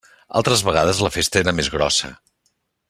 Altres vegades la festa era més grossa.